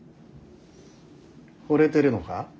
ほれてるのか。